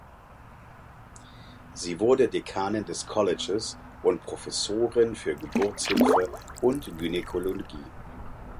Sie wurde Dekanin des Colleges und Professorin für Geburtshilfe und Gynäkologie.